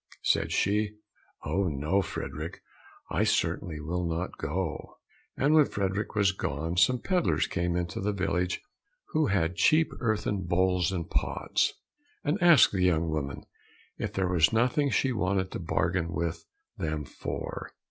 Said she, "Oh, no, Frederick, I certainly will not go." And when Frederick was gone some pedlars came into the village who had cheap earthen bowls and pots, and asked the young woman if there was nothing she wanted to bargain with them for?